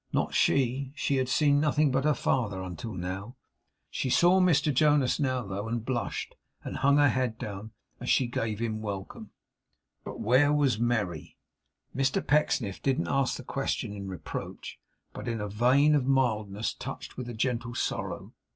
Not she. She had seen nothing but her father until now. She saw Mr Jonas now, though; and blushed, and hung her head down, as she gave him welcome. But where was Merry? Mr Pecksniff didn't ask the question in reproach, but in a vein of mildness touched with a gentle sorrow.